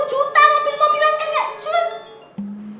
sepuluh juta mobil mobilan kayak gak jen